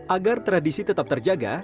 agar tradisi tetap terjaga